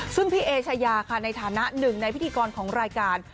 ซึ่งพี่เอชายาค่ะในฐานะหนึ่งในพิธีกรของรายการ